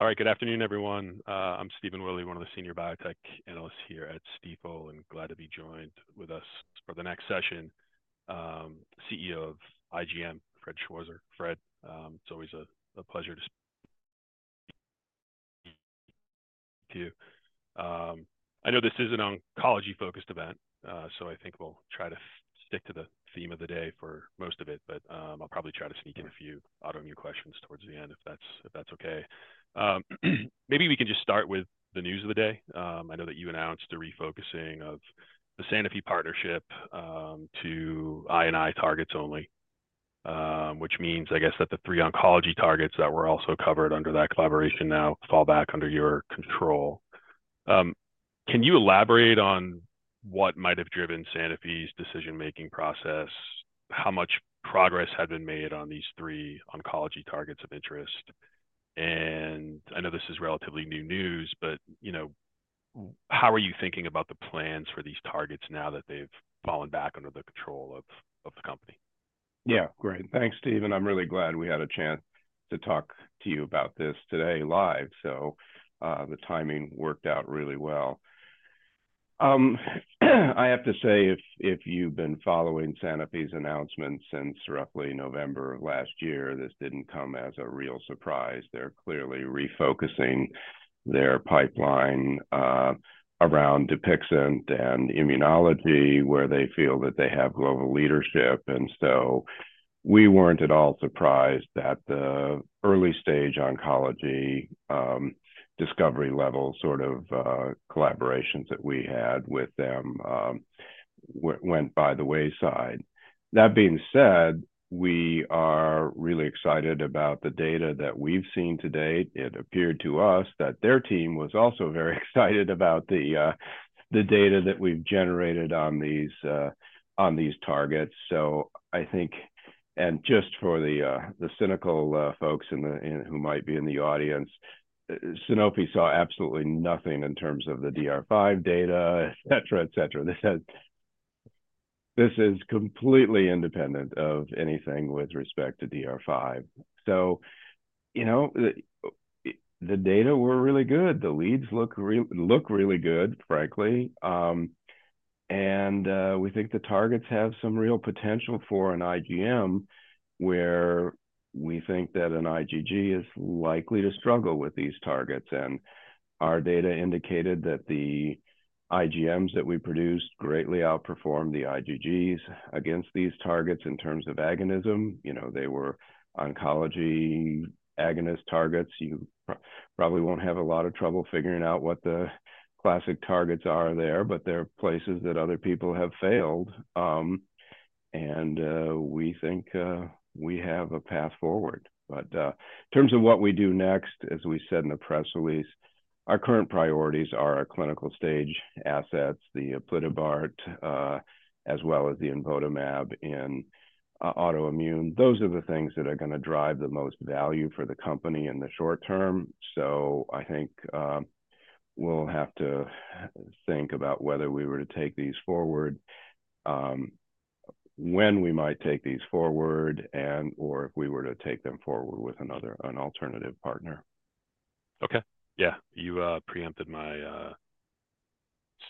All right, good afternoon, everyone. I'm Stephen Willey, one of the senior biotech analysts here at Stifel, and glad to be joined with us for the next session. CEO of IGM, Fred Schwarzer. Fred, it's always a a pleasure to speak to you. I know this is an oncology-focused event, so I think we'll try to stick to the theme of the day for most of it, but, I'll probably try to sneak in a few autoimmune questions towards the end if that's if that's okay. Maybe we can just start with the news of the day. I know that you announced a refocusing of the Sanofi partnership to immunology targets only, which means, I guess, that the three oncology targets that were also covered under that collaboration now fall back under your control. Can you elaborate on what might have driven Sanofi's decision-making process, how much progress had been made on these three oncology targets of interest? I know this is relatively new news, but, you know, how are you thinking about the plans for these targets now that they've fallen back under the control of of the company? Yeah, great. Thanks, Stephen. I'm really glad we had a chance to talk to you about this today live, so the timing worked out really well. I have to say, if you've been following Sanofi's announcements since roughly November of last year, this didn't come as a real surprise. They're clearly refocusing their pipeline around Dupixent and immunology, where they feel that they have global leadership. And so we weren't at all surprised that the early-stage oncology, discovery level sort of collaborations that we had with them went by the wayside. That being said, we are really excited about the data that we've seen to date. It appeared to us that their team was also very excited about the data that we've generated on these targets. So I think, and just for the cynical folks in the audience, Sanofi saw absolutely nothing in terms of the DR5 data, etc., etc. This is completely independent of anything with respect to DR5. So, you know, the data were really good. The leads look really look really good, frankly. We think the targets have some real potential for an IgM, where we think that an IgG is likely to struggle with these targets. And our data indicated that the IgMs that we produced greatly outperformed the IgGs against these targets in terms of agonism. You know, they were oncology-agonist targets. You probably won't have a lot of trouble figuring out what the classic targets are there, but they're places that other people have failed. And we think we have a path forward. But in terms of what we do next, as we said in the press release, our current priorities are our clinical stage assets, the aplitabart, as well as the imvotamab in autoimmune. Those are the things that are going to drive the most value for the company in the short term. So I think we'll have to think about whether we were to take these forward, when we might take these forward, and/or if we were to take them forward with another an alternative partner. Okay. Yeah. You preempted my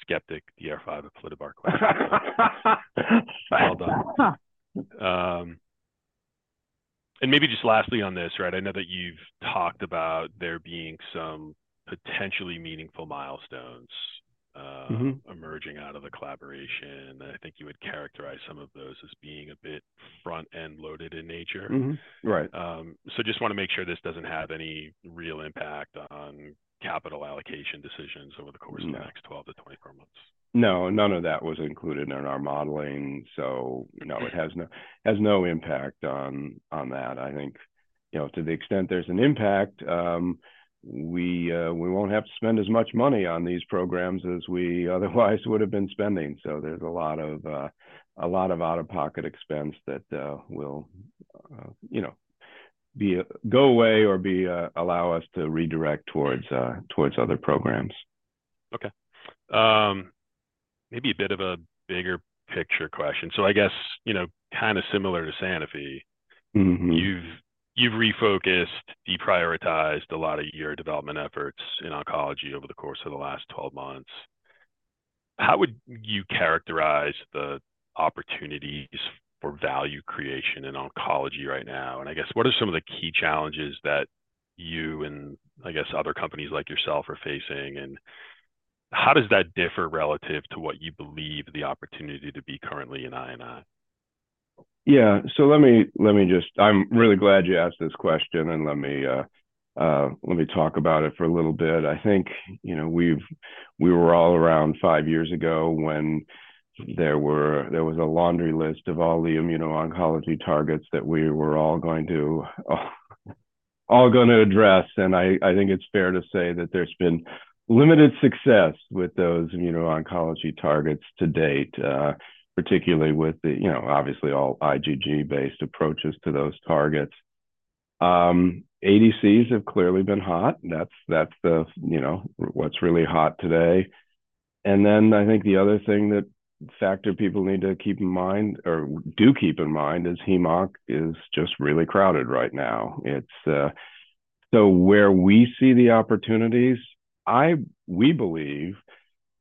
skeptical DR5 aplitabart question. Well done. Maybe just lastly on this, right? I know that you've talked about there being some potentially meaningful milestones emerging out of the collaboration. I think you would characterize some of those as being a bit front-end loaded in nature. Mm-hmm. Right. So, just want to make sure this doesn't have any real impact on capital allocation decisions over the course of the next 12-24 months. No, none of that was included in our modeling. So, no, it has no impact on that. I think, you know, to the extent there's an impact, we won't have to spend as much money on these programs as we otherwise would have been spending. So there's a lot of, a lot of out-of-pocket expense that will, you know, go away or allow us to redirect towards other programs. Okay. Maybe a bit of a bigger picture question. So I guess, you know, kind of similar to Sanofi, you've refocused, deprioritized a lot of your development efforts in oncology over the course of the last 12 months. How would you characterize the opportunities for value creation in oncology right now? And I guess, what are some of the key challenges that you and, I guess, other companies like yourself are facing? And how does that differ relative to what you believe the opportunity to be currently in INI? Yeah. So let me let me just—I'm really glad you asked this question, and let me, let me talk about it for a little bit. I think, you know, we were all around five years ago when there was a laundry list of all the immuno-oncology targets that we were all going to address. And I think it's fair to say that there's been limited success with those immuno-oncology targets to date, particularly with the, you know, obviously all IgG-based approaches to those targets. ADCs have clearly been hot. That's the, you know, what's really hot today. And then I think the other thing that factor people need to keep in mind or do keep in mind is Hem-onc is just really crowded right now. So where we see the opportunities, we believe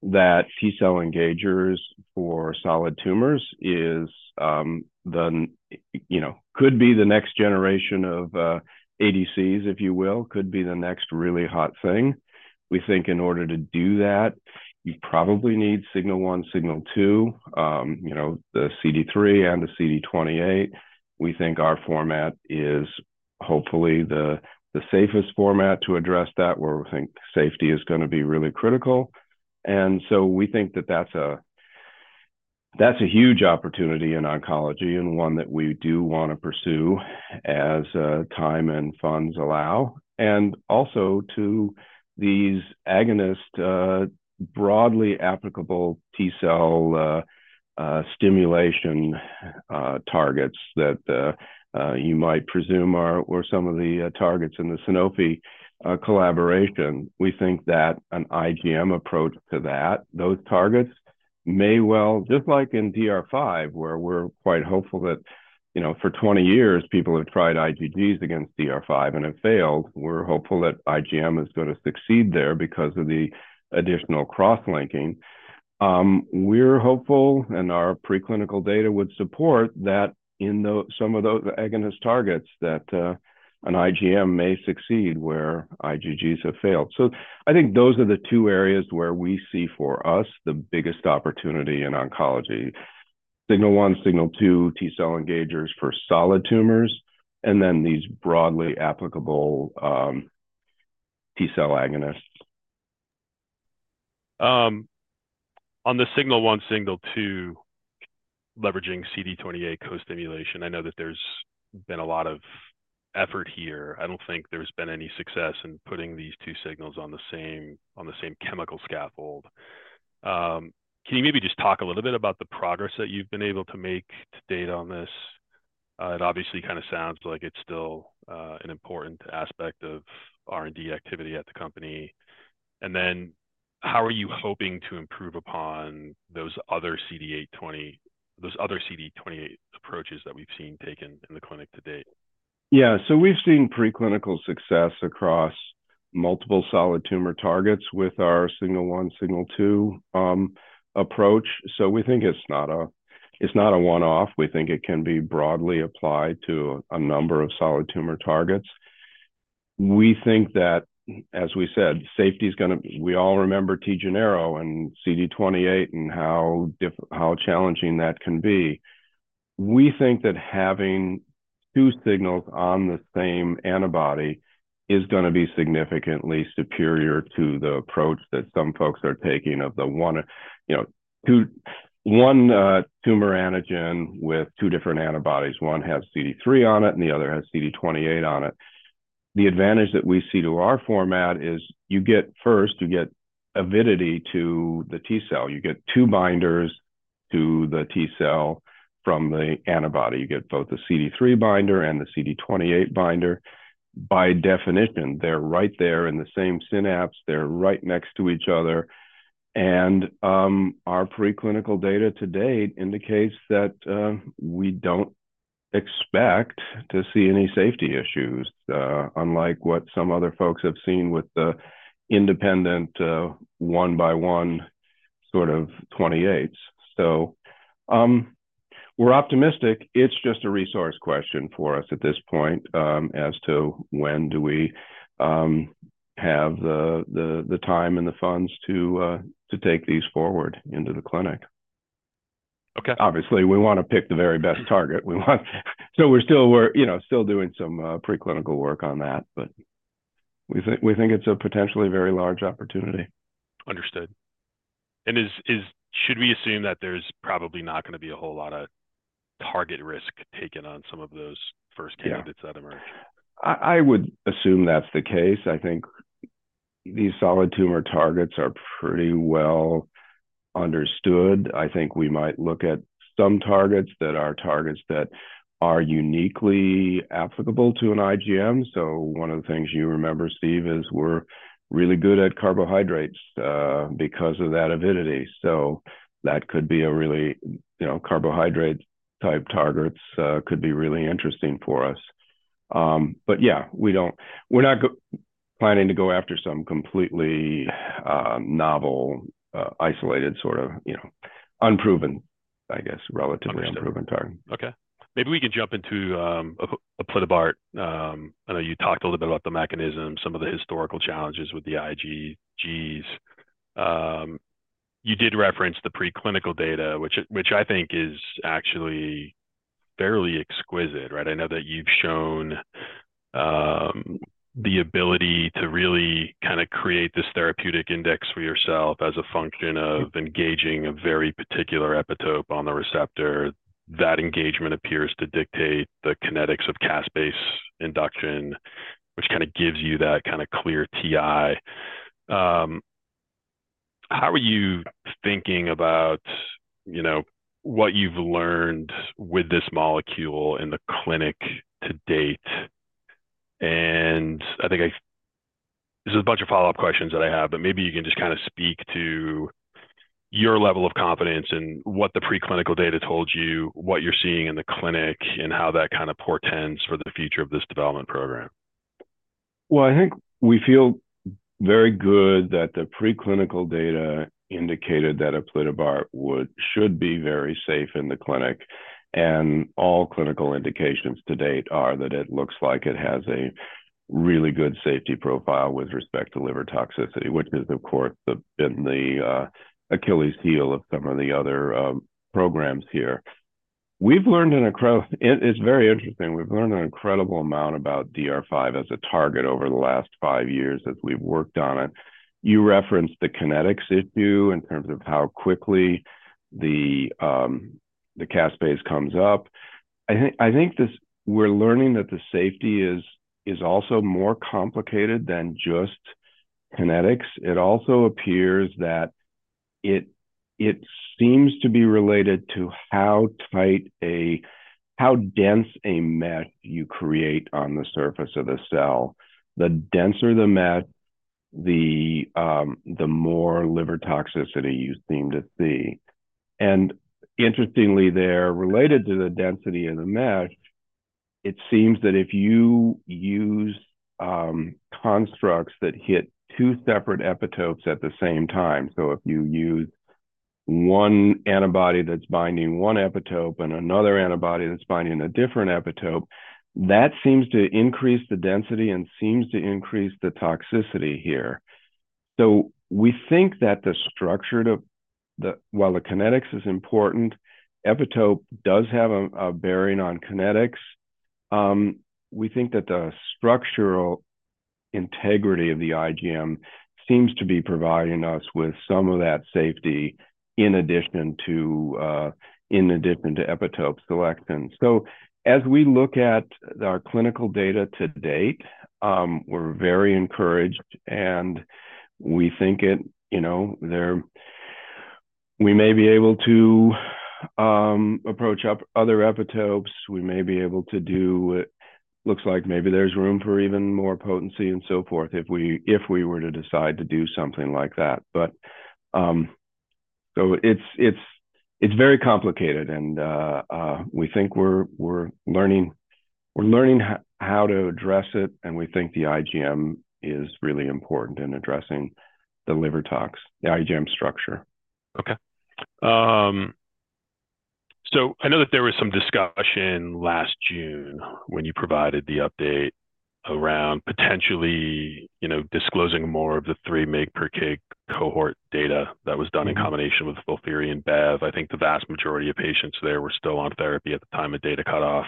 that T-cell engagers for solid tumors is the, you know, could be the next generation of ADCs, if you will, could be the next really hot thing. We think in order to do that, you probably need Signal one, Signal two, you know, the CD3 and the CD28. We think our format is hopefully the safest format to address that, where we think safety is going to be really critical. And so we think that that's a huge opportunity in oncology and one that we do want to pursue as time and funds allow, and also to these agonist broadly applicable T-cell stimulation targets that you might presume were some of the targets in the Sanofi collaboration. We think that an IgM approach to that, those targets, may well—just like in DR5, where we're quite hopeful that, you know, for 20 years, people have tried IgGs against DR5 and have failed. We're hopeful that IgM is going to succeed there because of the additional cross-linking. We're hopeful, and our preclinical data would support, that in some of those agonist targets that, an IgM may succeed where IgGs have failed. So I think those are the two areas where we see for us the biggest opportunity in oncology: Signal one, Signal two T-cell engagers for solid tumors, and then these broadly applicable, T-cell agonists. On the Signal one, Signal two leveraging CD28 co-stimulation, I know that there's been a lot of effort here. I don't think there's been any success in putting these two signals on the same on the same chemical scaffold. Can you maybe just talk a little bit about the progress that you've been able to make to date on this? It obviously kind of sounds like it's still an important aspect of R&D activity at the company. And then how are you hoping to improve upon those other CD28 those other CD28 approaches that we've seen taken in the clinic to date? Yeah. So we've seen preclinical success across multiple solid tumor targets with our Signal one, Signal two, approach. So we think it's not a one-off. We think it can be broadly applied to a number of solid tumor targets. We think that, as we said, safety's going to—we all remember TeGenero and CD28 and how difficult that can be. We think that having two signals on the same antibody is going to be significantly superior to the approach that some folks are taking of the one—you know, two one, tumor antigen with two different antibodies. One has CD3 on it, and the other has CD28 on it. The advantage that we see to our format is you get first, you get avidity to the T-cell. You get two binders to the T-cell from the antibody. You get both the CD3 binder and the CD28 binder. By definition, they're right there in the same synapse. They're right next to each other. And, our preclinical data to date indicates that, we don't expect to see any safety issues, unlike what some other folks have seen with the independent, one-by-one sort of 28s. So, we're optimistic. It's just a resource question for us at this point, as to when do we, have the time and the funds to take these forward into the clinic. Okay. Obviously, we want to pick the very best target. We want—so we're still, you know, still doing some preclinical work on that, but we think it's a potentially very large opportunity. Understood. Should we assume that there's probably not going to be a whole lot of target risk taken on some of those first candidates that emerge? Yeah. I would assume that's the case. I think these solid tumor targets are pretty well understood. I think we might look at some targets that are targets that are uniquely applicable to an IGM. So one of the things you remember, Steve, is we're really good at carbohydrates, because of that avidity. So that could be a really—you know, carbohydrate-type targets, could be really interesting for us. But yeah, we don't—we're not go planning to go after some completely, novel, isolated sort of, you know, unproven, I guess, relatively unproven target. Understood. Okay. Maybe we can jump into aplitabart. I know you talked a little bit about the mechanism, some of the historical challenges with the IgGs. You did reference the preclinical data, which I think is actually fairly exquisite, right? I know that you've shown the ability to really kind of create this therapeutic index for yourself as a function of engaging a very particular epitope on the receptor. That engagement appears to dictate the kinetics of caspase induction, which kind of gives you that kind of clear TI. How are you thinking about, you know, what you've learned with this molecule in the clinic to date? I think there's a bunch of follow-up questions that I have, but maybe you can just kind of speak to your level of confidence in what the preclinical data told you, what you're seeing in the clinic, and how that kind of portends for the future of this development program. Well, I think we feel very good that the preclinical data indicated that aplitabart should be very safe in the clinic. And all clinical indications to date are that it looks like it has a really good safety profile with respect to liver toxicity, which is, of course, that's been the Achilles heel of some of the other programs here. We've learned an incredible amount about DR5 as a target over the last five years as we've worked on it. You referenced the kinetics issue in terms of how quickly the caspase comes up. I think this—we're learning that the safety is also more complicated than just kinetics. It also appears that it seems to be related to how dense a mesh you create on the surface of the cell. The denser the mesh, the more liver toxicity you seem to see. And interestingly, they're related to the density of the mesh. It seems that if you use constructs that hit two separate epitopes at the same time—so if you use one antibody that's binding one epitope and another antibody that's binding a different epitope—that seems to increase the density and seems to increase the toxicity here. So we think that the structure of the, while the kinetics is important, epitope does have a bearing on kinetics. We think that the structural integrity of the IgM seems to be providing us with some of that safety in addition to, in addition to epitope selection. So as we look at our clinical data to date, we're very encouraged, and we think it, you know, there—we may be able to approach other epitopes. We may be able to do, it looks like maybe there's room for even more potency and so forth if we were to decide to do something like that. But so it's very complicated, and we think we're learning how to address it, and we think the IgM is really important in addressing the liver tox, the IgM structure. Okay. So I know that there was some discussion last June when you provided the update around potentially, you know, disclosing more of the 3 mg/kg cohort data that was done in combination with FOLFIRI and BEV. I think the vast majority of patients there were still on therapy at the time of data cutoff.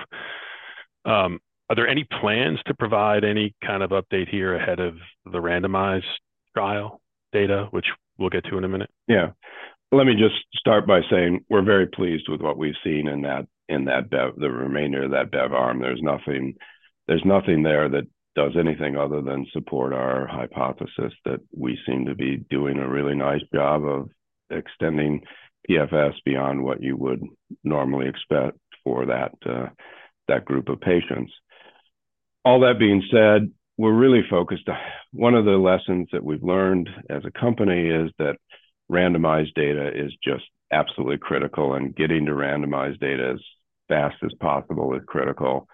Are there any plans to provide any kind of update here ahead of the randomized trial data, which we'll get to in a minute? Yeah. Let me just start by saying we're very pleased with what we've seen in that BEV, the remainder of that BEV arm. There's nothing there that does anything other than support our hypothesis that we seem to be doing a really nice job of extending PFS beyond what you would normally expect for that group of patients. All that being said, we're really focused, one of the lessons that we've learned as a company is that randomized data is just absolutely critical, and getting to randomized data as fast as possible is critical. And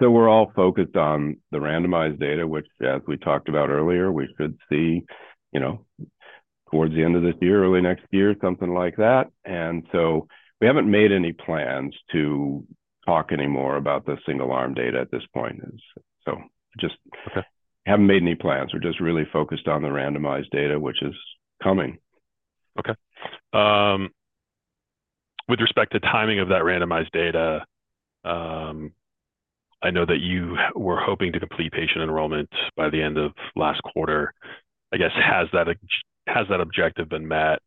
so we're all focused on the randomized data, which, as we talked about earlier, we should see, you know, towards the end of this year, early next year, something like that. And so we haven't made any plans to talk anymore about the single-arm data at this point. So just haven't made any plans. We're just really focused on the randomized data, which is coming. Okay. With respect to timing of that randomized data, I know that you were hoping to complete patient enrollment by the end of last quarter. I guess, has that objective been met?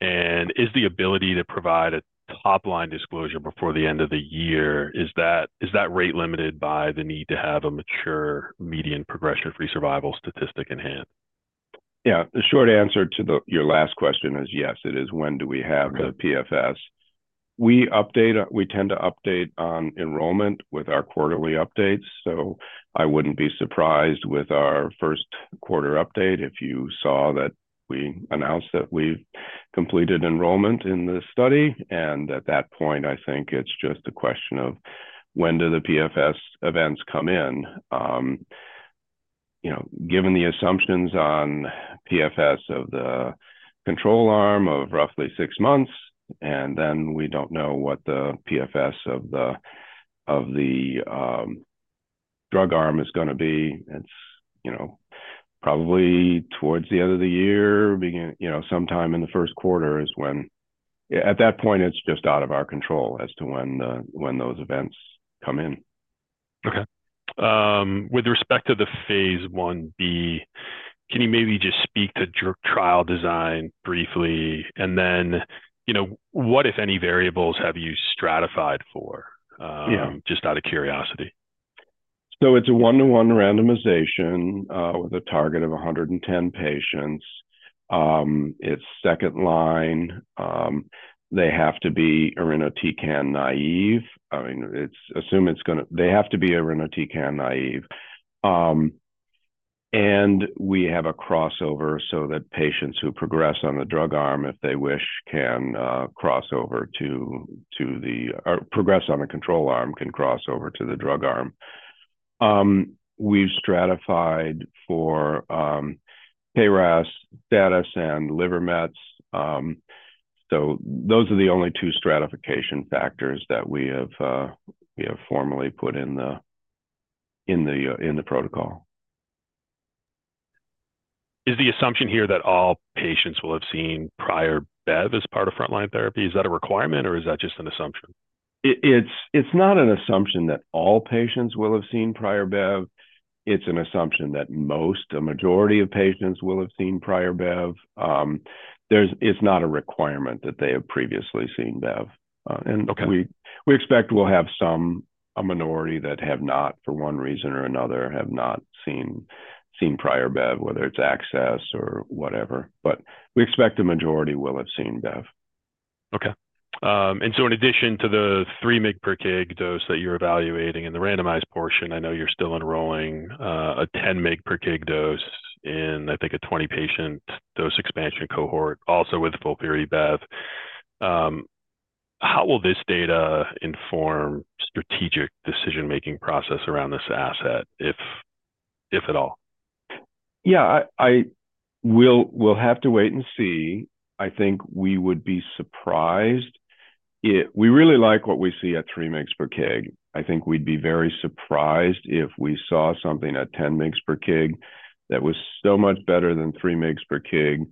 And is the ability to provide a top-line disclosure before the end of the year, is that rate limited by the need to have a mature median progression-free survival statistic in hand? Yeah. The short answer to your last question is yes. It is, when do we have the PFS? We tend to update on enrollment with our quarterly updates. So I wouldn't be surprised with our first quarter update if you saw that we announced that we've completed enrollment in the study. And at that point, I think it's just a question of when do the PFS events come in? You know, given the assumptions on PFS of the control arm of roughly six months, and then we don't know what the PFS of the drug arm is going to be. It's, you know, probably towards the end of the year, beginning, you know, sometime in the first quarter is when at that point, it's just out of our control as to when those events come in. Okay. With respect to the phase 1B, can you maybe just speak to drug trial design briefly? And then, you know, what, if any, variables have you stratified for? Just out of curiosity. So it's a 1:1 randomization, with a target of 110 patients. It's second line. They have to be irinotecan naive. I mean, I assume it's going to—they have to be irinotecan naive. And we have a crossover so that patients who progress on the drug arm, if they wish, can cross over to the—or progress on the control arm, can cross over to the drug arm. We've stratified for KRAS, BRAF, and liver mets. So those are the only two stratification factors that we have, we have formally put in the protocol. Is the assumption here that all patients will have seen prior BEV as part of front-line therapy? Is that a requirement, or is that just an assumption? It's not an assumption that all patients will have seen prior BEV. It's an assumption that most, a majority of patients will have seen prior BEV. It's not a requirement that they have previously seen BEV. And we expect we'll have some, a minority that have not, for one reason or another, have not seen prior BEV, whether it's access or whatever. But we expect a majority will have seen BEV. Okay. And so in addition to the 3 mg/kg dose that you're evaluating in the randomized portion, I know you're still enrolling, a 10 mg/kg dose in, I think, a 20-patient dose expansion cohort, also with FOLFIRI/BEV. How will this data inform the strategic decision-making process around this asset, if at all? Yeah, I will have to wait and see. I think we would be surprised. We really like what we see at 3 mg/kg. I think we'd be very surprised if we saw something at 10 mg/kg that was so much better than 3 mg/kg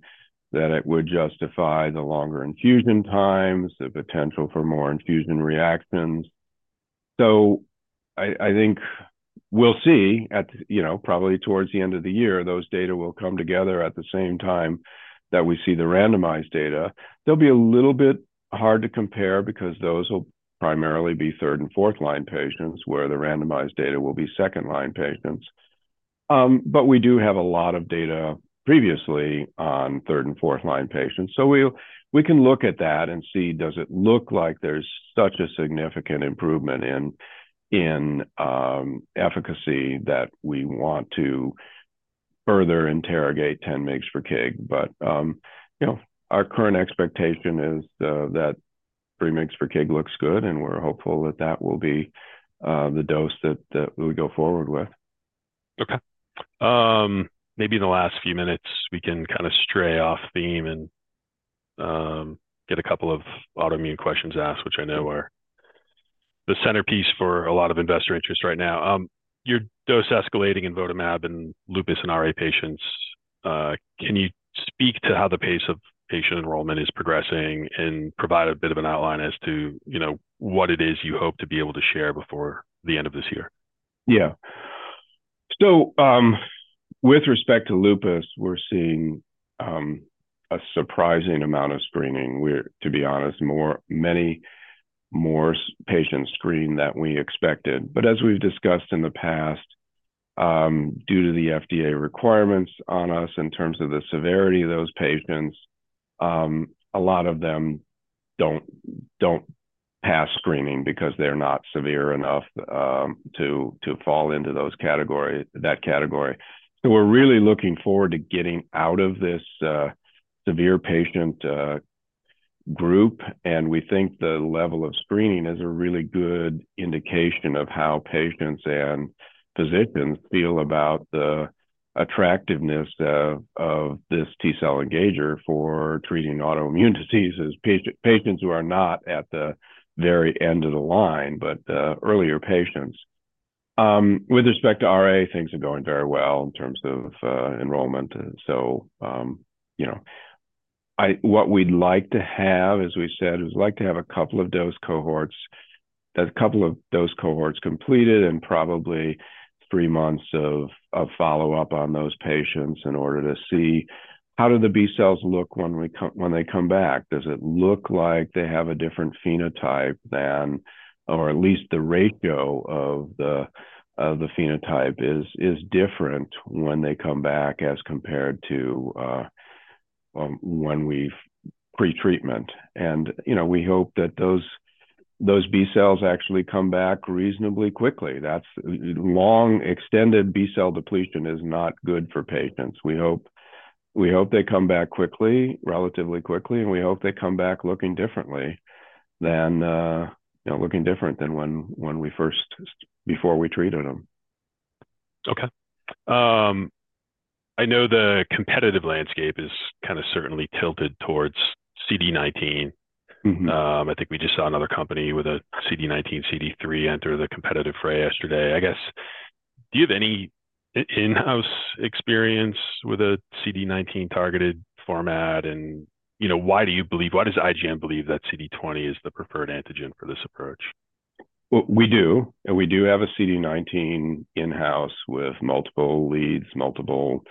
that it would justify the longer infusion times, the potential for more infusion reactions. So I think we'll see at, you know, probably towards the end of the year, those data will come together at the same time that we see the randomized data. They'll be a little bit hard to compare because those will primarily be third- and fourth-line patients, where the randomized data will be second-line patients. But we do have a lot of data previously on third- and fourth-line patients. So we can look at that and see, does it look like there's such a significant improvement in efficacy that we want to further interrogate 10 mg/kg? But, you know, our current expectation is that 3 mg/kg looks good, and we're hopeful that that will be the dose that we go forward with. Okay. Maybe in the last few minutes, we can kind of stray off theme and get a couple of autoimmune questions asked, which I know are the centerpiece for a lot of investor interest right now. Your dose escalating in imvotamab and lupus and RA patients. Can you speak to how the pace of patient enrollment is progressing and provide a bit of an outline as to, you know, what it is you hope to be able to share before the end of this year? Yeah. So, with respect to lupus, we're seeing a surprising amount of screening. We're, to be honest, more, many more patients screen than we expected. But as we've discussed in the past, due to the FDA requirements on us in terms of the severity of those patients, a lot of them don't pass screening because they're not severe enough to fall into that category. So we're really looking forward to getting out of this severe patient group. And we think the level of screening is a really good indication of how patients and physicians feel about the attractiveness of this T-cell engager for treating autoimmune diseases, patients who are not at the very end of the line, but earlier patients. With respect to RA, things are going very well in terms of enrollment. So, you know, what we'd like to have, as we said, is we'd like to have a couple of dose cohorts, a couple of dose cohorts completed, and probably three months of follow-up on those patients in order to see, how do the B-cells look when they come back? Does it look like they have a different phenotype than, or at least the ratio of the phenotype is different when they come back as compared to pre-treatment? And, you know, we hope that those B-cells actually come back reasonably quickly. Long extended B-cell depletion is not good for patients. We hope they come back quickly, relatively quickly, and we hope they come back looking differently than, you know, looking different than before we treated them. Okay. I know the competitive landscape is kind of certainly tilted towards CD19. I think we just saw another company with a CD19/CD3 enter the competitive fray yesterday. I guess, do you have any in-house experience with a CD19-targeted format? And, you know, why do you believe, why does IgM believe that CD20 is the preferred antigen for this approach? We do. And we do have a CD19 in-house with multiple leads, multiple,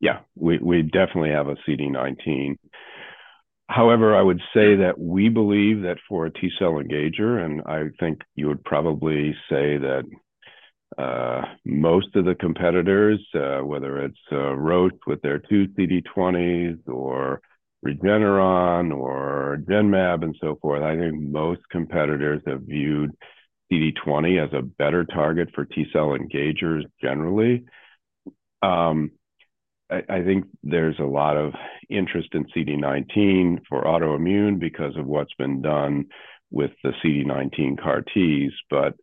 yeah, we definitely have a CD19. However, I would say that we believe that for a T-cell engager, and I think you would probably say that most of the competitors, whether it's Roche with their two CD20s or Regeneron or Genmab and so forth, I think most competitors have viewed CD20 as a better target for T-cell engagers generally. I think there's a lot of interest in CD19 for autoimmune because of what's been done with the CD19 CAR-Ts. But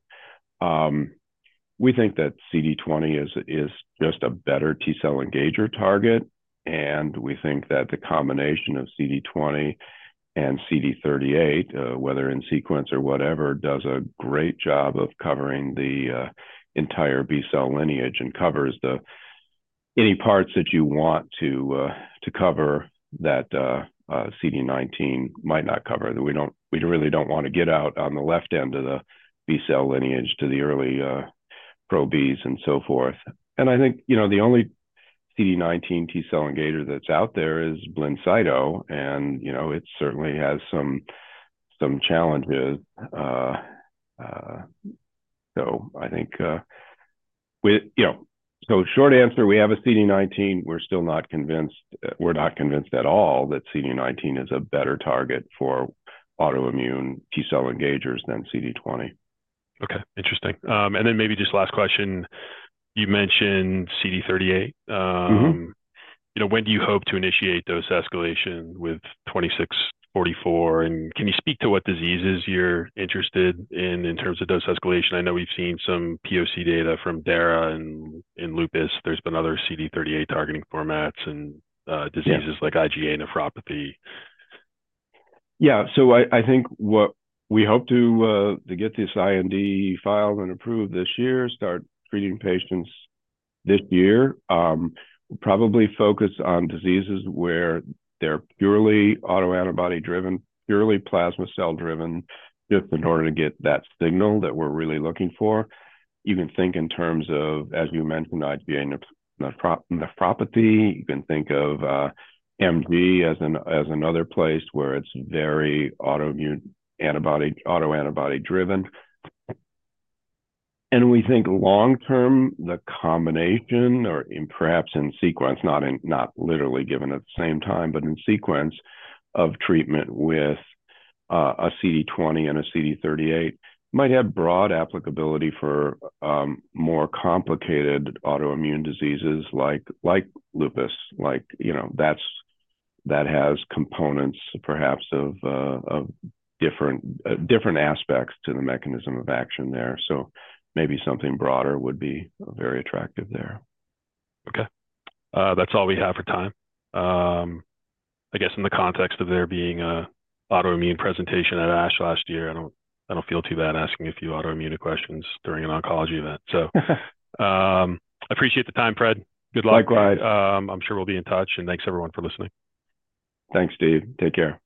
we think that CD20 is just a better T-cell engager target. And we think that the combination of CD20 and CD38, whether in sequence or whatever, does a great job of covering the entire B-cell lineage and covers any parts that you want to cover that CD19 might not cover. We really don't want to get out on the left end of the B-cell lineage to the early pro-Bs and so forth. And I think, you know, the only CD19 T-cell engager that's out there is BLINCYTO, and, you know, it certainly has some challenges. So I think, you know, so short answer, we have a CD19. We're still not convinced, we're not convinced at all that CD19 is a better target for autoimmune T-cell engagers than CD20. Okay. Interesting. And then maybe just last question. You mentioned CD38. You know, when do you hope to initiate dose escalation with 2644? And can you speak to what diseases you're interested in in terms of dose escalation? I know we've seen some POC data from Dara and lupus. There's been other CD38 targeting formats and diseases like IgA nephropathy. Yeah. So I think what we hope to get this IND filed and approved this year, start treating patients this year, probably focus on diseases where they're purely autoantibody-driven, purely plasma cell-driven, just in order to get that signal that we're really looking for. You can think in terms of, as you mentioned, IgA nephropathy. You can think of MG as another place where it's very autoantibody-driven. And we think long-term, the combination or perhaps in sequence, not literally given at the same time, but in sequence of treatment with a CD20 and a CD38 might have broad applicability for more complicated autoimmune diseases like lupus. That has components, perhaps, of different aspects to the mechanism of action there. So maybe something broader would be very attractive there. Okay. That's all we have for time, I guess, in the context of there being an autoimmune presentation at ASH last year. I don't feel too bad asking a few autoimmune questions during an oncology event. So I appreciate the time, Fred. Good luck. Likewise. I'm sure we'll be in touch. Thanks, everyone, for listening. Thanks, Steve. Take care.